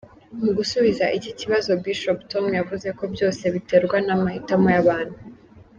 Mu gusubiza iki kibazo, Bishop Tom yavuze ko byose biterwa n’amahitamo y’abantu.